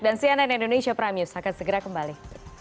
dan cnn indonesia prime news akan segera kembali